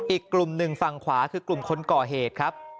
อีกกลุ่มหนึ่งฝั่งขวาคือกลุ่มคนก่อเหตุครับ